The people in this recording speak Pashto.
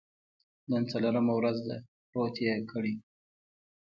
نن څلورمه ورځ ده، پروت یې کړی.